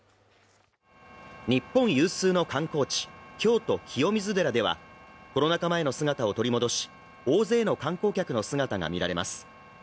日本有数の観光地、京都・清水寺ではコロナ禍前の姿を取り戻し、大勢の観光客の姿が見られます。